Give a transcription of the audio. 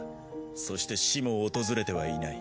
そして死も訪れてはいない。